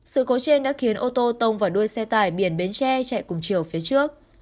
sự cố trên đã khiến ô tô tông vào đuôi xe tải biển bến tre chạy cùng chiều phía trước